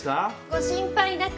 ご心配なく！